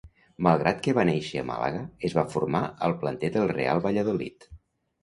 Malgrat que va néixer a Màlaga, es va formar al planter del Real Valladolid.